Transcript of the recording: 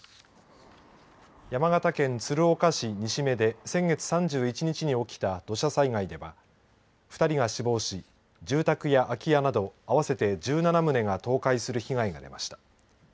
山形県鶴岡市西目で先月３１日に起きた土砂災害では２人が死亡し住宅や空き家などあわせて１７棟が倒壊する被害が出ました。